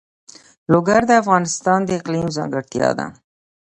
لوگر د افغانستان د اقلیم ځانګړتیا ده.